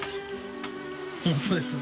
本当ですね